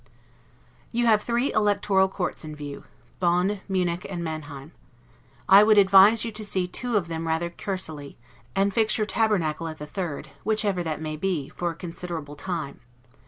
You have three electoral courts in view, Bonn, Munich, and Manheim. I would advise you to see two of them rather cursorily, and fix your tabernacle at the third, whichever that may be, for a considerable time.